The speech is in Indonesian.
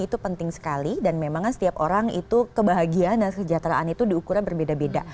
itu penting sekali dan memang setiap orang itu kebahagiaan dan kesejahteraan itu diukurnya berbeda beda